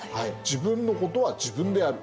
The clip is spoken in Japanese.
自分のことは自分でやる。